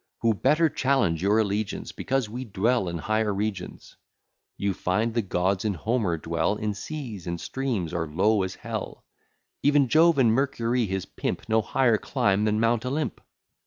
Who better challenge your allegiance Because we dwell in higher regions. You find the gods in Homer dwell In seas and streams, or low as Hell: Ev'n Jove, and Mercury his pimp, No higher climb than mount Olymp.